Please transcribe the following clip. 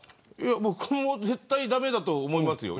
僕も絶対駄目だと思いますよ